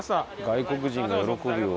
外国人が喜ぶような。